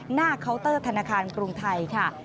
หน้าเคาน์เตอร์ธนาคารกรุงไทย